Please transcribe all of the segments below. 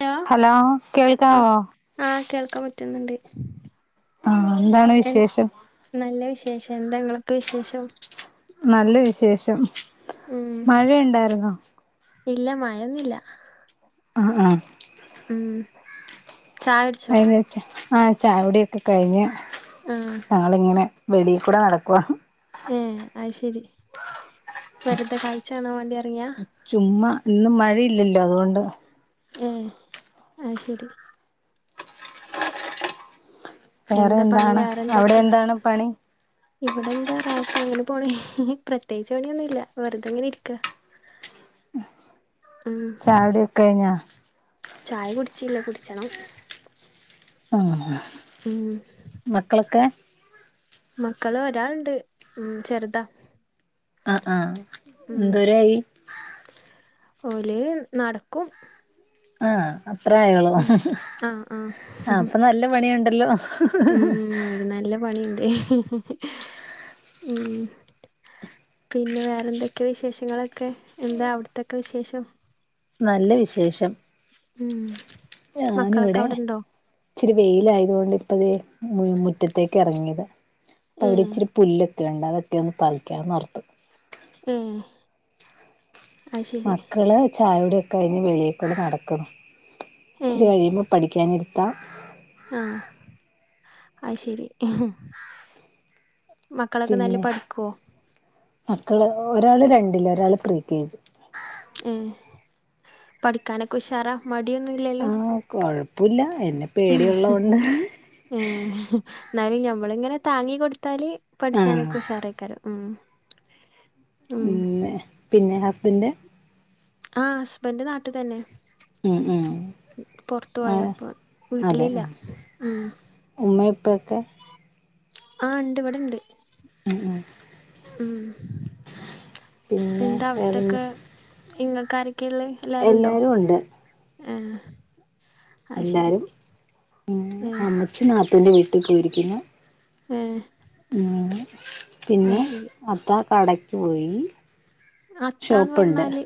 Hello ആ ആ കേൾക്കാൻ പറ്റുന്നുണ്ട് ആഹ് എന്താണ് എ വിശേഷം നല്ല വിശേഷം എന്താ നിങ്ങൾക്ക്‌ വിശേഷം നല്ല വിശേഷം ഉം മഴ ഉണ്ടായിരുന്നോ ഇല്ല മായൊന്നില്ല ആ ആ ഉം ചായ കുടിച്ചോ വയ്യറുവെച്ച ആ ചായോടിയൊക്കെ കഴിഞ്ഞ് ആ ആളിങ്ങനെ വെളിയിൽ കൂടെ നടക്കുവാ ഏ അശേരി വെറുതെ കാഴ്ച കാണാൻ വേണ്ടി ഇറങ്ങിയാ ചുമ്മാ ഇന്നും മഴയില്ലല്ലോ അതുകൊണ്ട് ഏ അശേരി വേറെ എന്താ പണി എന്താണ് വേറെ അവിടെ എന്തൊക്കെ എന്താണ് പണി ഇവിടെ എന്താ റാത്ത അങ്ങനെ പോണ പ്രത്യേച്ച് പേണിയൊന്നും ഇല്ല വെറുതെങ്ങനെ ഇരിക്ക [unintelligible] ചായുടിക്കെ കഴിഞ്ഞാ ചായ കുടിച്ചില്ല കുട്ച്ചണം ആ മക്കളൊക്കെ മക്കള് ഒരാളുണ്ട് ഉം ചെറുതാ ആ ആ എന്തോരായി ഓലെ നടക്കും ആ അത്ര ഉം ആയുള്ളൂലേ ആ അപ്പ നല്ല പണിയുണ്ടല്ലോ ഉം ഒരു നല്ല പണിയുണ്ട് ഉം പിന്നെ വേറെന്തൊക്കെ വിശേഷങ്ങളൊക്കെ എന്താ അവിടത്തൊക്കെ വിശേഷം നല്ല വിശേഷം ഉം മക്കളൊക്കെ ഞാനിവിടെ അവിടെണ്ടോ ഇച്ചിരി വെയില ആയതുകൊണ്ട് ഇപ്പ തേ മുറ്റത്തേക്ക് ഇറങ്ങിയതാ അപ്പ ഏ അവിടെ ഇച്ചിരി പുല്ല് രണ്ടതൊക്കെ ഒന്ന് പറിക്കാനോർതു ഏ അത് ശരി മക്കളെ ചായകുടിയൊക്കെ കഴിഞ്ഞ് വെളീക്കൂടെ നടക്കുന്നു ഏ ഇച്ചിരി കഴിയുമ്പോൾ പഠിക്കാനി ര്ത്താം ആ അത്ശരി മക്കളൊക്കെ നല്ല പിന്നെ പഠിക്കുവോ മക്കള് ഒരാളെ രണ്ടിലെ ഒരാളെ പ്രീ കെ ജി ഉം പഠിക്കാനൊക്കെ ഉഷാറാ മടിയൊന്നൂല്ലല്ലോ ആഹ് കൊഴപ്പുല്ല എന്നെ ഉം ഹും പേടിയുള്ളോണ്ട് എന്നാലും ഞമ്മളിങ്ങനെ താങ്ങി കൊടുത്താല് ആഹ് പഠിച്ചാനൊക്കെ ഉഷാറായിക്കാരം ഉം പിന്നെ ഹസ്ബൻഡ് ആ ഹസ്ബൻഡ് നാട്ടിത്തന്നെ ഉം ഉം ആ പോയപ്പോ അതെ വീട്ടിലില്ല ആ ഉം ഉമ്മയും പ്പക്കെ ആഹ് ഉണ്ട് ഇവിടിണ്ട് ഉം ഉം ഉം പിന്നെ എന്താ വേറെന്ത് അവിട്ത്തൊക്കെ ഇങ്ങ കാരക്കെയുള്ള എല്ലരുണ്ടോ എല്ലാരും ഉണ്ട് ആ എല്ലാരും ആഹ് അമ്മച്ചി നാത്തൂന്റെ വീട്ടിൽ പോയിരിക്കുന്നു ഉം ഉ പിന്നെ അത്താ കടക്ക് പോയി അത്താന്ന് ഷോപ്പുണ്ട് പറഞ്ഞാലെ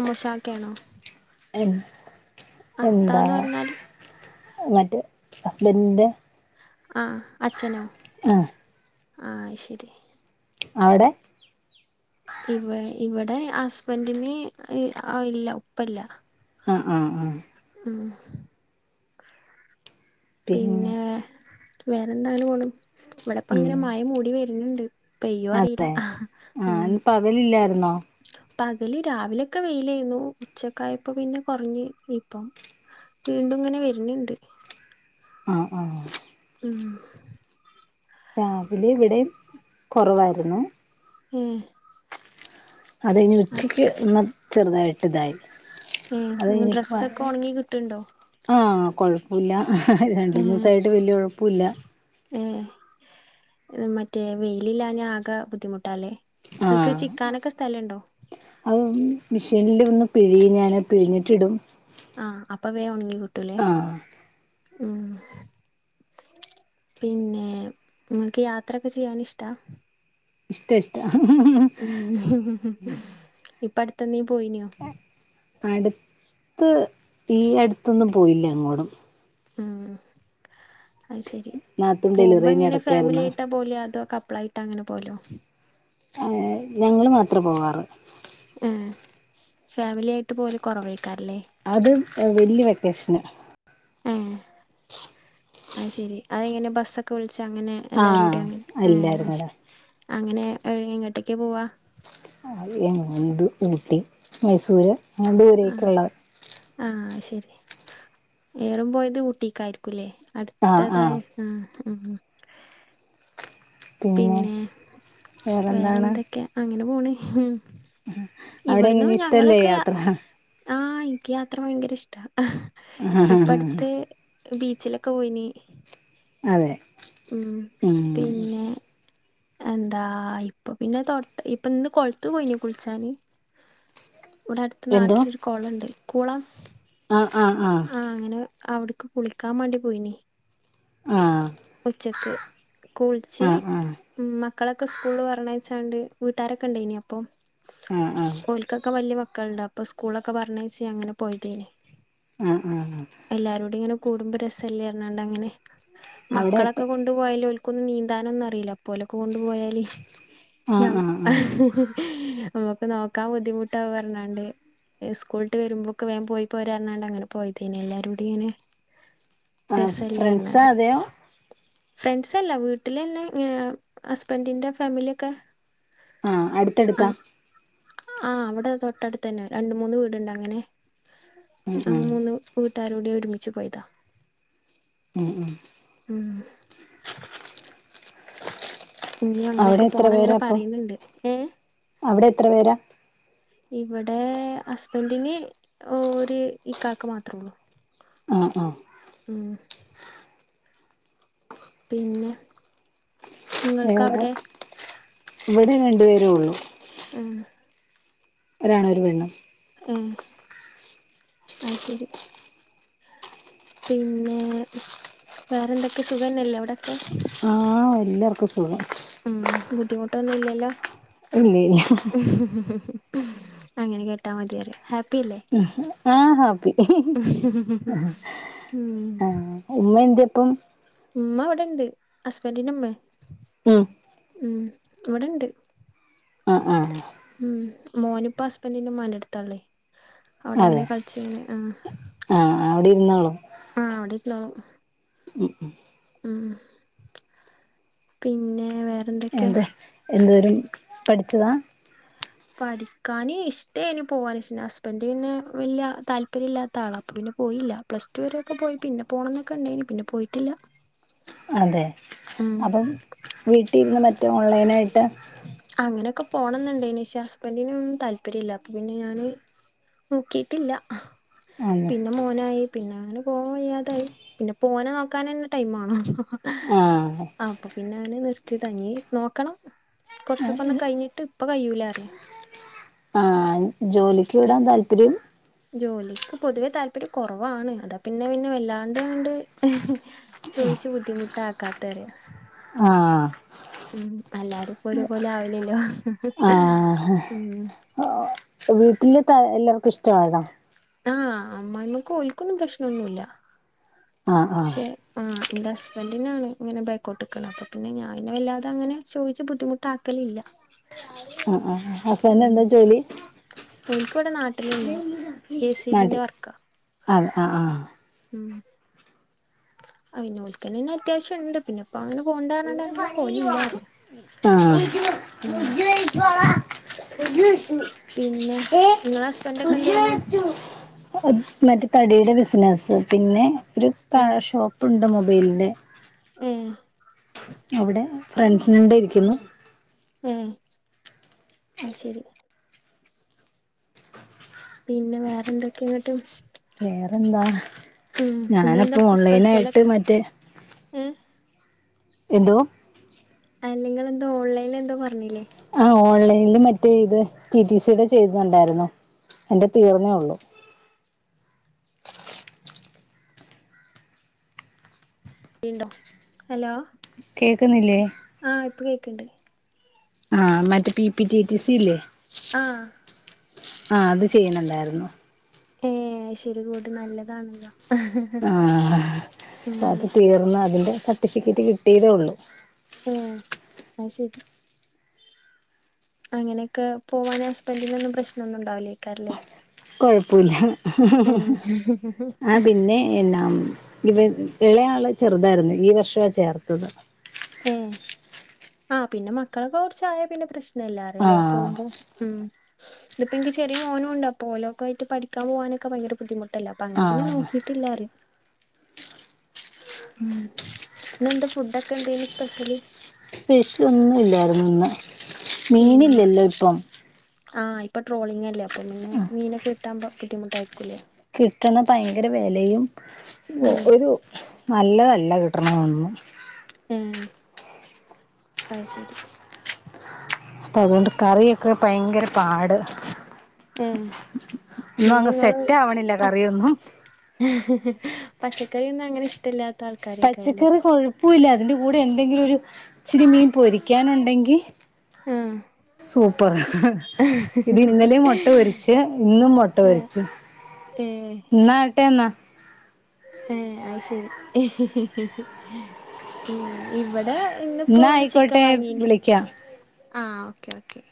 അമോഷാ ക്കയാണോ എന്താ പറഞ്ഞാല് മറ്റെ ഹസ്ബന്റിൻ്റെ ആ അച്ഛനോ ആ അത് ശരി അവിടെ ഇവ ഇവിടെ ഹസ്ബന്റിന് ആ ഇല്ല ഉപ്പല്ല ആ ആ ആ ഉം പിന്നെ വേറെന്താ ങ്ങനോണ് ഉം ഇവിടിപ്പനിങ്ങനെ മഴ മൂടി വരുന്നുണ്ട് പെയ്യോ അറിയില്ല അതെ ആ ഉം ഇന്ന് പകലില്ലായിരുന്നോ പകല് രാവിലൊക്കെ വെയിലായിരുന്നു ഉച്ചക്കായപ്പം പിന്നെ കൊറിഞ്ഞ് ഇപ്പം വീണ്ടും ഇങ്ങനെ വര്ണ് ണ്ട് ആ ആ ഉം ആ രാവിലെ ഇവിടേം കുറവായിരുന്നു ഉം അത് കഴിഞ്ഞ് ഉച്ചയ്ക്കെ ഒന്നാ ചെറുതായിട്ട് ഇതായി അതെ ഏഹ് എനിക്ക് ഡ്രസ്സൊക്കെ ഒണങ്ങി കിട്ടുണ്ടോ? ആ കൊഴപ്പം ഇല്ല രണ്ടുമൂന്നു ദിവസായിട്ട് വലിയ കുഴപ്പമില്ല ഏ മറ്റേ വെയിലില്ലാഞ്ഞാകെ ബുദ്ധിമുട്ടാല്ലേ നിക്ക് ആഹ് ചിക്കാനൊക്കെ സ്ഥലോ ണ്ടോ അത് മെഷീനില് ഒന്ന് പിഴുകി ഞാനെ പിഴിഞ്ഞിട്ടിടും ആ അപ്പ വേ ഒണങ്ങി കിട്ടൂല്ലേ ആഹ് ഉം പിന്നെ നിങ്ങക്ക് യാത്രയൊക്കെ ചെയ്യാൻ ഇഷ്ടാ ഇഷ്ട ഇഷ്ട ഉം ഇപ്പ അടുത്തന്നീ പോയിനോ അടുത്ത് ഈ അടുത്തൊന്നും പോയില്ല എങ്ങോടും ഉം ആ ശെരി നാത്തൂൻ ഡെലിവറി പോകുമ്പോ കഴിഞ്ഞ് ഇങ്ങനെ ഫാമിലി കെടക്കായിരുന്നു ആയിട്ടാ പോലെയ അതോ കപ്പ് പ്ലൈട്ട് അങ്ങനെ പോലോ ആ ഞങ്ങള് മാത്രേ പോവാറ് ആ ഫാമിലി ആയിട്ട് പോലെ കൊ റവെ അത് വല്യ വെക്കേഷന് ഏഹ് അത് ശരി അതെങ്ങനെ ബസ്സൊക്കെ വിളിച്ച് അങ്ങനെ ആഹ് എല്ലാരുടെ അങ്ങനെ ഏഹ് അത് ശ്ശെ അല്ലായിരുന്നടാ അതുവഴി എങ്ങോട്ടേക്ക പോവാ അങ്ങണ്ടു ഊട്ടി മൈസൂര് അങ്ങനെ ആഹ് ദൂരെയ്ക്കൊള്ളത് ആഹ് ശരി ഏറും പോയത് ഊട്ടിക്കായിരിക്കുംല്ലേ അടുത്തതായി ആഹ് ആഹ് പിന്നെ വേറെന്താണ് വേറെന്തൊക്കെ അങ്ങനെ പോണ് അവിടെ ഇവിടുന്ന് എങ്ങനെ ഇഷ്ടല്ലേ ഞങ്ങളൊക്കെ യാ യാത്ര ആഹ് എനിക്ക് യാത്ര ഭയങ്കര ഇഷ്ട ഇപ്പ അടുത്ത് ബീച്ചിലൊക്കെ പോയിന് അതെ പിന്നെ എന്താ ഇപ്പൊ പിന്നെ തൊട്ട ഇപ്പൊ ഇന്ന് കൊളത്ത് പോയിനി കുളിച്ചാന് ഇവിടെ അടുത്ത എന്തോ നാട്ടിലൊരു കോളണ്ട് കുളം ആഹ് ആഹ് ആഹ് അവിടക്ക് കുളിക്കാൻ വേണ്ടി പോയിനി ആഹ് ഉച്ചക്ക് കൂളിച്ച് ആഹ് ആഹ് മക്കളൊക്കെ സ്കൂള്ല് പറഞ ച്ചാണ്ട് വീട്ടാരൊക്കെ ഉണ്ടയിനി അപ്പം ആഹ് ആഹ് ഓൽക്കൊക്കെ വലിയ മ ക്കളുണ്ട് അപ്പൊ സ്കൂളൊക്കെ പറഞ്ഞയച്ചി അങ്ങനെ പോയതേനി ആഹ് ആഹ് എല്ലാരോടും ഇങ്ങനെ കൂടുമ്പോ രസല്ലേ പറഞ്ഞോണ്ട് അങ്ങനെ അവിടെ എത്ത മക്കളൊക്കെ കൊണ്ടുപോയാല് ഓല് ഒന്നും നീന്താനൊന്നും അറിയില്ല അപ്പോലൊക്കെ കൊണ്ടു പോയാല് ആഹ് ഞ്ഞം ആഹ് ആഹ് നമുക്ക് നോക്കാൻ ബുദ്ധിമുട്ടാവ പറഞ്ഞോണ്ട് സ്കൂള്ട്ട് വരുമ്പോക്കെ വേഗം പോയി പോരാന്ന് പറഞ്ഞോണ്ട് അങ്ങനെ പോയതേനി എല്ലാരൂടി ഇങ്ങനെ ആഹ് രസല്ലേ ഫ്രണ്ട്സാ പറഞ്ഞാണ്ട് അതെയോ ഫ്രണ്ട്സല്ല വീട്ടിലന്നെ ഏഹ് ഹസ്ബന്റിന്റെ ഫാമിലിയൊക്കെ ആഹ് ആ അടുത്തടുത്താ ആഹ് അവിടെ തൊട്ടടുത്ത് തന്നെ രണ്ട് മൂന്ന് വീടുണ്ട് അങ്ങനെ ഉം ആഹ് ഉം മൂന്ന് വീട് ട്ടാരോടി ഒരുമിച്ച് പോയതാ ഉം ഉം ഉം ഇനിയും അവിടെ അങ്ങനെയൊക്കെ എത്ര പോണം അങ്ങനെ പേരാ അപ്പൊ പറയുന്നുണ്ട് ഏഹ് അവിടെ എത്ര പേരാ ഇവിടെ ഹസ്ബൻറിന് ഒരുര് ഈ കാക്ക മാത്രേ ഉള്ളൂ ആഹ് ആഹ് ഉം പിന്നെ നിങ്ങൾക്ക് വേറെ അവിടെ ഇവിടെ രണ്ടു പേരേ ഉള്ളൂ ഉം ഒരാണും ഒരു പെണ്ണും ഏഹ് ആത് ശരി പിന്നെ വേറെന്തൊക്കെ സുഖന്നല്ലേ അവിടൊക്കെ ആഹ് എല്ലാവർക്കും സുഖം ഉം ബുദ്ധിമുട്ടൊന്നും ഇല്ലല്ലോ ഇല്ല ഇല്ല അങ്ങനെ കേട്ടാൽ മതിപറയ ഹാപ്പ് ആഹ് ഹാപ്പി ഉം പ്പം ഉമ്മ അവിടെണ്ട് ഹസ്ബൻറിന്റെമ്മേ ഉം ഇവിടെണ്ട് ഉം ഉം ഉം മോനിപ്പ ഹസ്ബന്റിന്റെ ഉമ്മാന്റടുത്താ ഇള്ളെ. അതെ അവിടെങ്ങനെ കളിച്ച്ങ്ങനെ ആ ആഹ് അവിടെ ഇരുന്നോളും ആ എവിടെ ലോ ഉം ഉം ഉം പിന്നെ വേറെന്തൊക്കെ അതെ എന്തോരം പഠിച്ചതാ? പഠിക്കാന് ഇഷ്ടേന് പോവാന് പക്ഷേ ഹസ്ബന്റിന് വല്യ താല്പര്യം ഇല്ലാത്ത ആളാ അപ്പൊ പിന്നെ പോയില്ല. പ്ലസ്ടു വരൊക്കെ പോയി പിന്നെ പോണംന്നൊക്കെ ഇണ്ടേനി പിന്നെ പോയിട്ടില്ല. അതെ ഉം അപ്പം വീട്ടിരുന്ന് മറ്റേ ഓൺലൈനായിട്ട് ക്കെ പോണംന്നുണ്ടേനി പഷെ ഹസ്ബന്റിനൊന്നും താല്പര്യല്ല അപ്പൊ പിന്നെ ഞാന് നോക്കിട്ടില്ല. അതെ പിന്നെ മോനായി പിന്നെ അങ്ങനെ പോയി അതായ് പിന്നെപ്പോനെ നോക്കാനന്നെ ടൈമേണം. ആഹ് അപ്പൊ പിന്നെ ഞാന് നിർത്തിയതാ എനി നോക്കണം കൊറച്ചൊക്കെ ഒന്ന് കഴിഞ്ഞിട്ട് ഇപ്പൊ കയ്യൂലാറിയാ ആഹ് ജോലിക്ക് വിടാൻ താല്പര്യം ജോലിക്ക് പൊതുവെ താല്പര്യം കുറവാണ്. അതാപിന്നെ പിന്നെ വല്ലാണ്ട്ണ്ട് ചോയിച്‌ ച്ച് ബുദ്ധിമുട്ടാക്കാത്തെ അറിയോ ആഹ് ഉം അല്ലാരുപ്പോ ഒരുപോലെ ആവില്ലല്ലോ ഒ ഉം ഓ വീട്ടിൽതാ എല്ലർക്കും ഇഷ്ടമായിരുന്നോ? ആഹ് അമ്മായമ്മയ്ക്ക് ഓൽക്കൊന്നും പ്രശ്നൊന്നുല്ല ആഹ് ആഹ് പക്ഷെ ആ എന്റെ ഹസ്ബന് തിന്നാണ് ഇങ്ങനെ ബേക്കോട്ട്ക്ക്ണത്. അപ്പൊ പിന്നെ ഞായിനെ വല്ലാതങ്ങനെ ചോയിച്ചു ബുദ്ധിമുട്ടാക്കലില്ല. ആ ആ ഹസ്ന്റെ ഉം എന്താ ജോലി? ഓൽക്ക് ഇവിടെ നാട്ടിലന്നെ ജെ സീ ബിന്റെ വർക്കാ ആന്ന് ആ ആ ഉം ആ പിന്നെ ഓൽക്കന്നെന്നെ പിന്നെ അത്യാവശ്യണ്ട് പിന്നെ അപ്പം അങ്ങനെ പോണ്ടാർഞ്ഞോണ്ട് അങ്ങനെ പോയലില്ലാ പറിയാ. ഉം പിന്നെ നിങ്ങളെ ഹസ്ബൻഡൊക്കെ എന്തെയ്യ്ണ് [unintelligible] തടിയുടെ ബിസിനസ്സ് പിന്നെ ഒരു കഴ ഷോപ്പുണ്ട് മൊബൈലിന്റെ ഉം അവിടെ ഫ്രണ്ട്സിനണ്ട് ഇരിക്കുന്നു. ഉം അത്ശരി പിന്നെ വേറെന്തൊക്കെയന്നിട്ട് വേറെന്താ ഇന്നെന്താ ഞാനപ്പൊ ഓൺലൈനായിട്ട് സ്പെഷ്യലൊക്കെ മറ്റേ ഏഹ് എന്ത്വോ? അയെ നിങ്ങൾ എന്തോ ഓൺലൈൽ എന്തോ പറഞ്ഞില്ലേ ഓൺലൈനില് മറ്റേ ഇത് ടി ടി സി യുടെ ചെയ്യുന്നുണ്ടായിരുന്നു. എന്റെ തീർന്നേ ഉള്ളു [inaudible] വീണ്ടും ഹലോ കേക്കുന്നില്ലേ ക്കണ്ട് ആഹ് മറ്റേ P P T T C ഇല്ലേ ആഹ് ആ അത് ചെയ്യണണ്ടായിരുന്നു. ഏ ശരി കൂട്ട് നല്ലതാണല്ലോ ആ ഉം അത് തീർന്ന് അതിന്റെ സർട്ടിഫിക്കറ്റ് കിട്ടിയതേ ഉള്ളു ഉം അത് ശരി അങ്ങനൊക്കെ പോവാന്ഹസ്ബൻറിന് ഒന്നും പ്രശ്നം ഒന്നും ഉണ്ടാവില്ല ക്കല്ലേ കുഴപ്പമില്ല ആ പിന്നെ എന്നാ ഇത് ഇളയാള് ചെറുതായിരുന്നേ ഈ വർഷാ ചേർത്തത്. ഉം ആ പിന്നെ മക്കളൊക്കെ കുറച്ച് ആയ പിന്നെ പ്രശ് നം ഇല്ലാറിയില്ലേ ആഹ് പോകുമ്പോ ഉം ഇപ്പൊതെനിക്ക് ചെറിയ മോനൂണ്ട്. അപ്പൊ ഓലൊക്കായിട്ട് പഠിക്കാൻ പോകാനൊക്കെ ഭയങ്കര ബുദ്ധിമു ട്ടലാ. അപ്പൊ അങ്ങനപിന്നെ ആഹ് നോക്കിയിട്ടില്ലാ പറയാ ഇന്നെന്താ ഫുഡൊക്കെ എന്തേന് സ്പെഷ്യല്? സ്പെഷ്യൽ ഒന്നും ഇല്ലായിരുന്നു ഇന്ന്. ഉം മീനില്ലല്ലോ ഇപ്പം. ആ ഇപ്പ ട്രോളിംഗ് അല്ലേ അപ്പം പിന്നെ മീനൊക്കെ കിട്ടാൻ ബുദ്ധിമുട്ടായിരിക്കൂലേ. കിട്ടുന്ന ഭയങ്കര വിലയും ഉം ഒരു നല്ലതല്ല കിട്ടണ തൊന്നും. ഉം അ ശരി അപ്പൊ അതുകൊണ്ട് കറിയൊക്കെ ഭയങ്കര പാട്. ഉം ഒന്നും അങ്ങ് പിന്നെങ്ങള് സെറ്റ് ആവണില്ല പച്ച കറിയൊന്നും പച്ചക്കറിയൊന്നും അങ്ങനെ ഇഷ്ട ഇല്ലാത്ത ആൾക്കാരൊക്കെയായിരിക്കും അല്ലേ. പ്പൂല്ല അതിന്റെ കൂടെ എന്തെങ്കിലും ഒരു ഇച്ചിരി മീൻ പൊരിക്കാനുണ്ടെങ്കി സൂപ്പർ. ഇത് ഇന്നലെയും മുട്ട പൊരിച്ച് ഇന്നും മുട്ട ആ പൊരിച്ച് ഇന്നാട്ടെ എന്നാ ഏ അയ് ശരി ഉം ഇവടെ എന്നാ ആയിക്കോട്ടെ വിളിക്കാം ആ ഓക്കെ ഓക്കേ